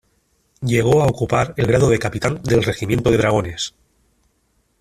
Llegó a ocupar el grado de Capitán del Regimiento de Dragones.